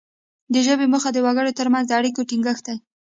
د ژبې موخه د وګړو ترمنځ د اړیکو ټینګښت دی